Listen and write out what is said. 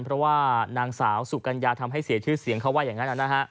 เพราะว่านางสาวสุกัญญาทำให้เสียชื่อเสียงเขาว่าอย่างนั้น